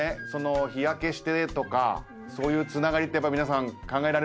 日焼けしてとかそういうつながりって皆さん考えられるんですね。